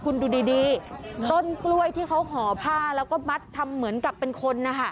คุณดูดีต้นกล้วยที่เขาห่อผ้าแล้วก็มัดทำเหมือนกับเป็นคนนะคะ